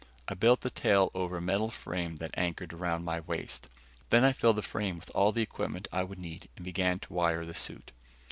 I built the tail over a metal frame that anchored around my waist. Then I filled the frame with all the equipment I would need and began to wire the suit.